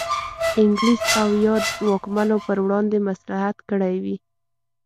انګلیس او یا واکمنو پر وړاندې مصلحت کړی وي.